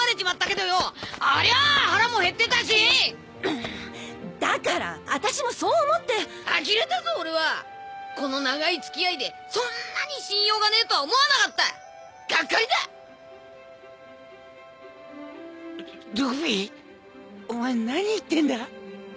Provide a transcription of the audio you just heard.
ありゃあ腹も減ってたしィだから私もそう思ってあきれたぞ俺はこの長い付き合いでそんなに信用がねえとは思わなかったガッカリだルフィお前何言ってんだ？